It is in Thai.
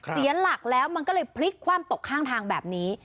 เสียหลักแล้วมันก็เลยพลิกคว่ำตกข้างทางแบบนี้